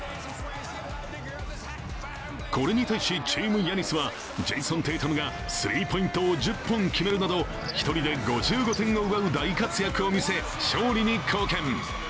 これに対し、チーム・ヤニスはジェイソン・テイタムが３ポイントを１０本決めるなど、１人で５５点を奪う大活躍を見せ、勝利に貢献。